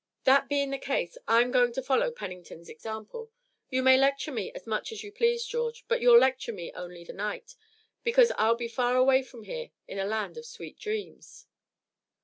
"That being the case, I'm going to follow Pennington's example. You may lecture me as much as you please, George, but you'll lecture only the night, because I'll be far away from here in a land of sweet dreams."